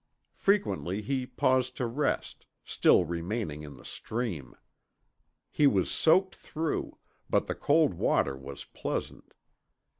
Frequently he paused to rest, still remaining in the stream. He was soaked through, but the cold water was pleasant.